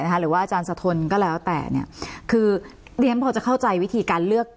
หรือว่าอาจารย์สะทนก็แล้วแต่คือเรียนพอจะเข้าใจวิธีการเลือก